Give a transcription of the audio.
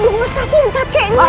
gue harus kasihan kakeknya